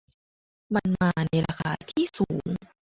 มันมาในราคาที่สูง